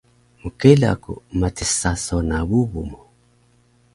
Mkela ku matis saso na bubu mu